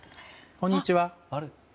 こんにちは。